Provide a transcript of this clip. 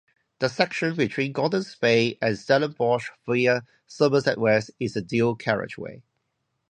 The section between Gordon's Bay and Stellenbosch via Somerset West is a dual carriageway.